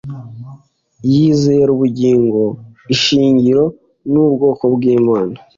yizera ubugingo, ishingiro n'ubwoko bw'imana